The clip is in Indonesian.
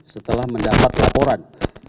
setelah mendapat laporan